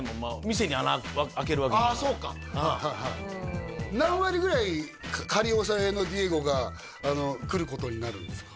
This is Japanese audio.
店に穴あけるわけにはああそうかはいはいはい何割ぐらい仮押さえのディエゴが来ることになるんですか？